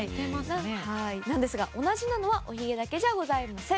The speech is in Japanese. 同じなのはおひげだけじゃございません。